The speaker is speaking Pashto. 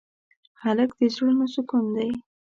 هلک د زړونو سکون دی.